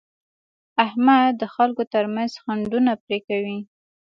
احمد د خلکو ترمنځ خنډونه پرې کوي.